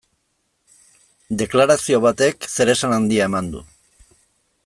Deklarazio batek zeresan handia eman du.